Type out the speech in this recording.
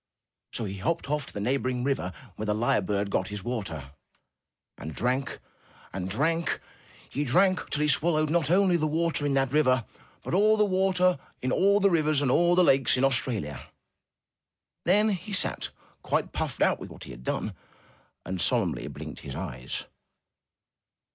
'' So he hopped off to the neighboring river where the lyre bird got his water, and drank and drank. He drank till he swallowed not only all the water in that river. MY BOOK HOUSE but all the water in all the rivers and lakes in Aus tralia! Then he sat, quite puffed out with what he had done, and solemnly blinked his eyes.